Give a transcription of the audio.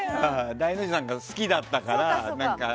ダイノジさんが好きだったから。